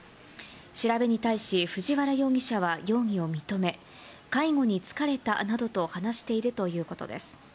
調べに対し、藤原容疑者は容疑を認め、介護に疲れたなどと話しているということです。